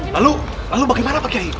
lalu lalu bagaimana pak kiai